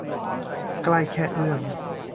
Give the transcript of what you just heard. ใกล้แค่เอื้อม